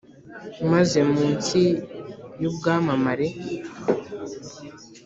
maze mu nsi y’ubwamamare,